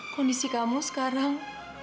kondisi kamu sekarang